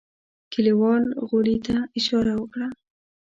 کليوال غولي ته اشاره وکړه.